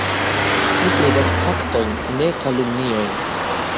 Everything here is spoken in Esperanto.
Mi kredas faktojn, ne kalumniojn.